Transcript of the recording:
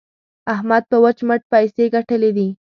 احمد په وچ مټ پيسې ګټلې دي.